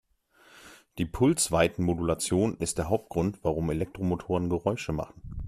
Die Pulsweitenmodulation ist der Hauptgrund, warum Elektromotoren Geräusche machen.